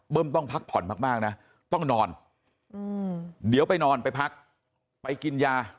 ต้องพักผ่อนมากนะต้องนอนเดี๋ยวไปนอนไปพักไปกินยา